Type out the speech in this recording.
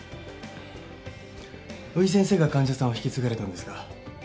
宇井先生が患者さんを引き継がれたんですか？